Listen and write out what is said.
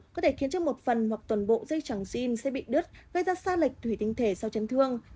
có thể khiến cho một phần hoặc toàn bộ dây trắng xin sẽ bị đứt gây ra xa lệch thủy tinh thể sau chấn thương